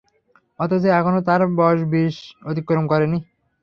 অথচ এখনো তার বয়স বিশ অতিক্রম করেনি।